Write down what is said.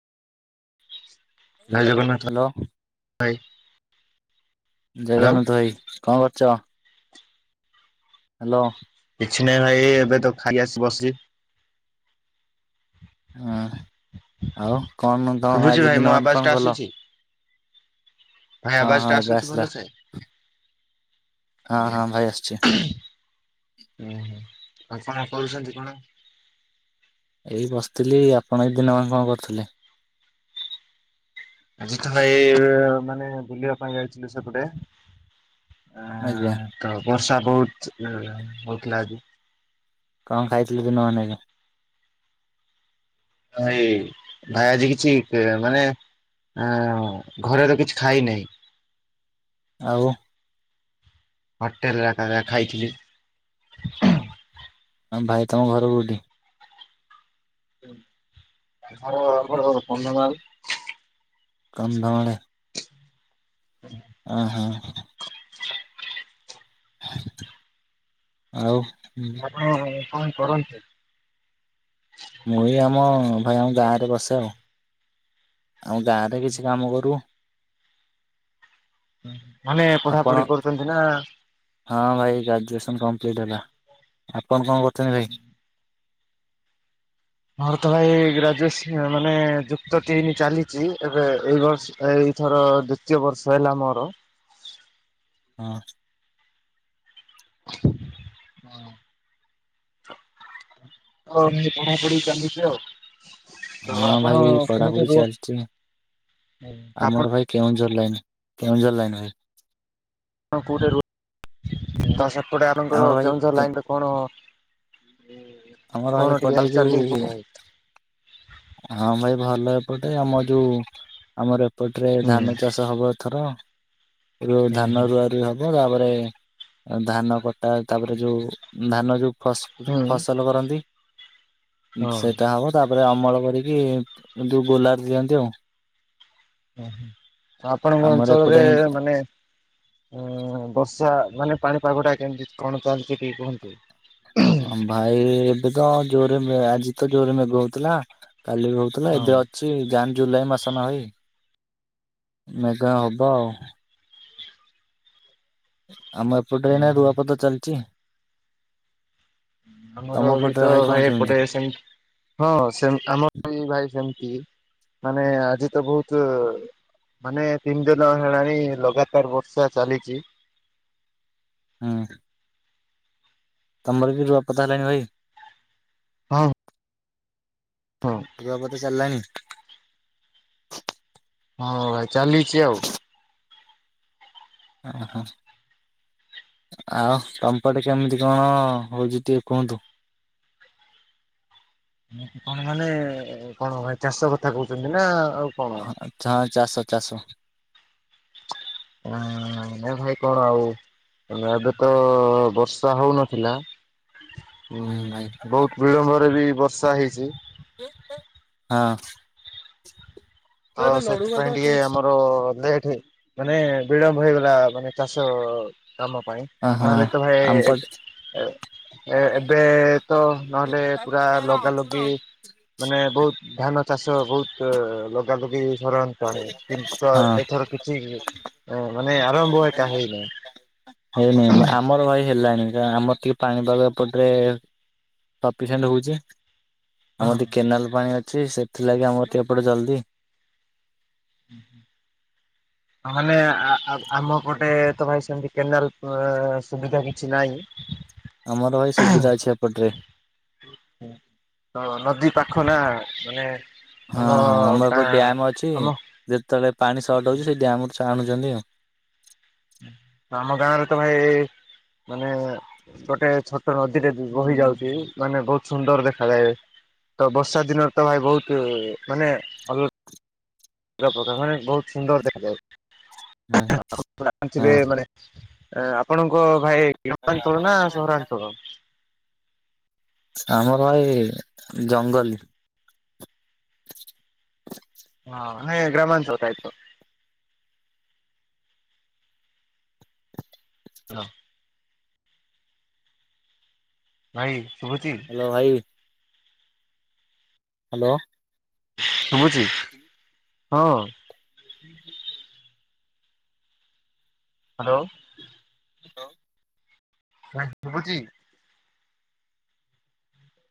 ଜୟ Jagannath hello ଭାଇ। ଆଉ ଜଗନଥ ଭାଇ କଣ କରୁଛ? ହ୍ୟାଲୋ କିଛି ନାହିଁ ଭାଇ ଏବେ ତ ଖାଲି ଆସି ବସି। ହଁ ଆଉ କଣ ତମ ଶୁଭୁଛି ଆଜି ଭାଇ ମୋ ଦିନ ମାନେ ଆବାଜ ଟା କଣ କଲ? ଆସୁଛି ଭାଇ ହଁ ଆବାଜ ହଁ ଟା ଏବେ ଆସୁଛୁ ଆସିଲା ଭଲ ସେ? ହଁ ହଁ ଭାଇ ଆସିଛି। ଉଁହୁଁ ଆପଣ କରୁଛନ୍ତି କଣ? ଏଇ ବସିଥିଲି ଆପଣ ଏଇ ଦିନ ପାଇଁ କଣ କରୁଥିଲେ? ଅଜିତ ଭାଇ ମାନେ ବୁଲିବା ପାଇଁ ଯାଇଥିଲୁ ସେପଟେ। ଆ ଆଜ୍ଞା ତ ବର୍ଷା ବହୁତ ହଉଥିଲା ଆଜି। କଣ ଖାଇଥିଲ ଦିନ ମାନକେ? ଏଇ ଭାରି କିଛି ଏ ମାନେ ନା ଘରେ ତ କିଛି ଖାଇନାହିଁ ଆଉ ହୋଟେଲ ରେ କା ଖାଇଥିଲି ହଁ ଭାଇ ତମ ଘର କୋଉଠି? ଆମ ଘର କନ୍ଦମାଳ। କନ୍ଧମାଳ ହଁ ଓହ ଆଉ କଣ କରନ୍ତି? ମୁଁ ବି ଆମ ଭାଇ ଆମ ଗାଁରେ ବସେ ଆଉ। ଆମ ଗାଁରେ କିଛି କାମ କରୁ। ମାନେ ଆପଣ ପଢାପଢି କରୁଛନ୍ତି ନା। ହଁ ଭାଇ ଗ୍ରାଜୁଏସନ କମ୍ପ୍ଲିଟ ହେଲା ଆପଣ କଣ କରୁଛନ୍ତି ଭାଇ? ମୋର ତ ଭାଇ ଗ୍ରାଜୁଏସ ମାନେ ଯୁକ୍ତ ତିନି ଚାଲିଛି ଏବେ ଏଇ ବର୍ଷ ଏ ଥର ଦ୍ଵିତୀୟ ବର୍ଷ ହେଲା ମୋର ହଁ। ହଁ। ହଉ ମୁ ପଢ଼ାପଢି ଚାଲୁଛ ଆଉ। ତ ହଁ ଆପଣ ଭାଇ କୋଉଠି ପଢାପଢି ରୁହ ଚାଲିଛି ଆପଣ ଆମର ଭାଇ କେଉଁଜୋର ଲାଇନ କେଉଁଜୋର ଲାଇନ ଭାଇ ଆପଣ କୋଉଠି ରୁହ ଦ ସପଟେ ଆପଣର ଆମର ଭାଇ କେଉଁଝ କେ ଲାଇନ ର କଣ ଆମର ଭାଇ କଣ ଟିକେ ଏପଟେ ଚାଲି ଯୋଉ ଚାଲ ଟିକେ କୁହନ୍ତୁ ଭାଇ ହଁ ଭାଇ ଭଲ ଏପଟେ ଆମ ଯୋଉ ଆମର ଏପଟରେ ହୁଁ ଧାନ ଚାଷ ହବ ଏଥର ର ହୁଁ ଧାନ ହୁଁ ରୁଆ ରୁଇ ହବ ତାପରେ ଧାନ କଟା ତାପରେ ଯୋଉ ଧାନ ଯୋଉ ଫାସ୍ ହୁଁ ଫସଲ କରନ୍ତି ହଁ ସେଇଟା ହବ ତାପରେ ଅମଳ କର କି ଯୋଉ ଗୋଲାର ଦିଅନ୍ତି ଆଉ। ଉହୁଁ ଆପଣଙ୍କ ଆମର ଏପଟେ ଅଞ୍ଚଳରେ ଏମିତି ମାନେ ଉଁ ବର୍ଷା ମାନେ ପାଣିପାଗ ଟା କେମିତି କଣ ଚାଲିଛି ଟିକେ କୁହନ୍ତୁ? ଭାଇ ଏବେ ତ ଜୋରରେ ଆଜି ତ ଜୋରରେ ମେଘ ହଉଥିଲା କାଲି ବି ହଉଥିଲା ହଁ ଏବେ ଅଛି ଜାନ ଜୁଲାଇ ମାସ ନ ଭଇ ମେଘ ହବ ଆଉ। ଆମ ଏପଟ ଏଇନା ରୁଆପାତ ଚାଲିଛି। ଆମର ତମ ବି ପଟରେ ତ କଣ ଭାଇ କେମିତି? ଏପଟେ ସେମତି। ହଁ ସେମିତି ଆମର ବି ଭାଇ ସେମିତି ମାନେ ଆଜି ତ ବହୁତ। ମାନେ ତିନି ଦିନ ହେଲାଣି ଲଗାତାର ବର୍ଷା ଚାଲିଛି। ହଁ। ତମର କି ରୂଆପତା ହେଲାନି ଭାଇ। ହଉ। ହଁ। ରୁଆ ପୋତା ଚାଲିଲାଣି। ହଁ ଭାଇ ଚାଲିଛି ଆଉ। ଓହୋ! ଆଉ ତମପଟେ କେମିତି କଣ ହଉଛି ଟିକେ କୁହନ୍ତୁ। କଣ ମାନେ କଣ ଭାଇ ଚାଷ କଥା କହୁଛନ୍ତି ନା ଆଉ। କଣ? ଆଛା ହଁ ଚାଷ ହ ଚାଷ। ହଁ ଭାଇ କଣ ଆଉ। ଏଆଡେ ତ ବର୍ଷା ହଉନଥିଲା। ହୁଁ ବହୁତ ବିଳମ୍ବରେ ବି ବର୍ଷା ହେଇଛି। ହଁ। ତ ସେଥିପାଇଁ ଟିକେ ଓହୋ ଆମ। ଓ ଲେଟ ମାନେ ବିଳମ୍ବ ହେଇଗଲା ମାନେ ଚାଷ କାମ ପାଇଁ। ନହେଲେ ତମେ ଭାଇ ଆମପଟ ଏବେ। ଏ ଏବେ ତ ନହେଲେ ପୁରା ଲଗା ଲଗି। ମାନେ ବହୁତ ଧାନ ଚାଷ ବହୁତ ଲଗା ଲଗି ସରନ୍ତି। କଣ କିନ୍ତୁ ହଁ ଏଥର କିଛି ମାନେ ଆରମ୍ଭ ଏଟା ହେଇନହିଁ। ହେଇନାଇଁ। ଆମର ଭାଇ ହେଲାଣି କ ଆମର ଟିକେ ପାଣି ପାଗ ଏପଟରେ। ସଫିସିଏଣ୍ଟ ହେଉଛି ହଁ। ଆମର ଟିକେ କେନାଲ ପାଣି ଅଛି ସେଥିଲାଗି ଆମର ଟିକେ ଏପଟେ ଜଲ୍ଦି। ହୁଁ ହୁଁ। ମାନେ ଆମ ପଟେ ତ ଭାଇ ସେମତି କେନାଲ ସୁବିଧା କିଛି ନାହିଁ। ଆମର ଭାଇ ସୁବିଧା ଅଛି ଏପଟରେ। ତ ନଦୀ ପାଖ ନା ମାନେ। ହଁ ଆମ ହଁ ଆମର ଗାଁ ଏପଟେ ଡ୍ୟାମ ଅଛି ଆମ ଯେତେବେଳେ ପାଣି ସର୍ଟ ହଉଛି ସେ ଡ୍ୟାମ ରୁ ଆଣୁଛନ୍ତି ଆଉ। ଆମ ଗାଁ ରେ ତ ଭାଇ। ମାନେ। ଗୋଟେ ଛୋଟ ନଦୀଟେ ବହି ଯାଉଛି ମାନେ ବହୁତ ସୁନ୍ଦର ଦେଖାାଯାଏ। ତ ବର୍ଷା ଦିନରେ ତ ଭାଇ ବହୁତ ମାନେ। ପ୍ରଜାପତି ମାନେ ବହୁତ ସୁନ୍ଦର ଦେଖାଯଏ। ଆପଣ ହଁ। ଜାଣିଥିବେ ମାନେ। ଆପଣଙ୍କ ଭାଇ ଗ୍ରାମାଞ୍ଚଳ ନା ଆପଣଙ୍କ ସହରାଞ୍ଚଳ। ଆମର ଭାଇ ଜଙ୍ଗଲି। ହଁ ନାଇଁ ଗ୍ରାମାଞ୍ଚଳ ଟାଇପର। ହଁ। ଭାଇ ଶୁଭୁଛି। ହ୍ୟାଲୋ ଭାଇ। ହ୍ୟାଲୋ। ଶୁଭୁଛି। ହଁ। ହଁ। ହ୍ୟାଲୋ। ହଁ। ହଁ ଶୁଭୁଛି?